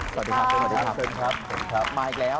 ค่ะสวัสดี้เอาออกมาอีกแล้ว